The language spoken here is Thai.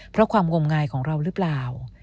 เพราะความงมงายของเราหรือเปล่า